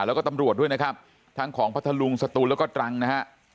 แล้วก็ตำรวจด้วยนะครับทั้งของพัทธลุงสตูนแล้วก็ตรังนะฮะ